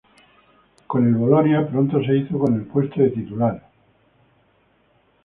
Con el Bolonia pronto se hizo con el puesto de titular.